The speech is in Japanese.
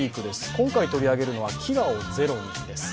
今回取り上げるのは「飢餓をゼロに」です。